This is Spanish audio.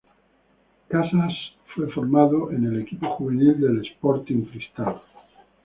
Casas fue formado en el equipo juvenil de Sporting Cristal.